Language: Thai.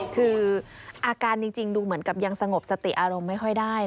คืออาการจริงดูเหมือนกับยังสงบสติอารมณ์ไม่ค่อยได้